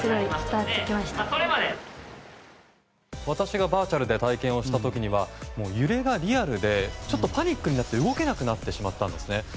私がバーチャルで体験をした時には揺れがリアルでちょっとパニックになって動けなくなってしまったんです。